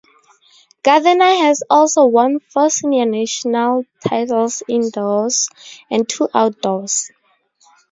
Gardener has also won four senior national titles indoors and two outdoors.